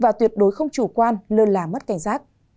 và tuyệt đối không chủ quan lơ là mất cảnh giác